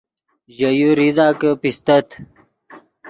ژے یو ریزہ کہ پیستت